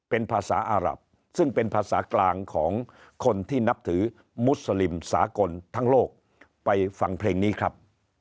เป็นภาษาอารับซึ่งเป็นภาษากลางของคนที่นับถือมุสลิมสากลทั้งโลกไปฟังเพลงนี้ครับ